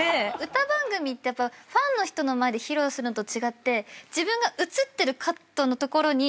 歌番組ってやっぱファンの人の前で披露するのと違って自分が映ってるカットのところに１２０％。